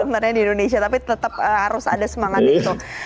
sebenarnya di indonesia tapi tetap harus ada semangat itu